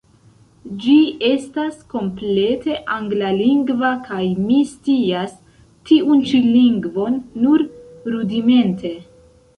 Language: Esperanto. Ĝi estas komplete anglalingva – kaj mi scias tiun ĉi lingvon nur rudimente.